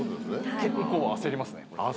結構、焦りますね。